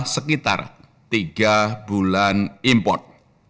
sekitar tiga bulan import